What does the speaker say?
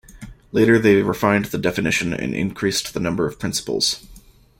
Later they refined the definition and increased the number of principles.